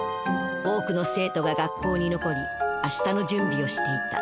多くの生徒が学校に残り明日の準備をしていた。